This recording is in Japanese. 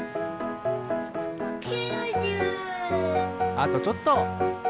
あとちょっと！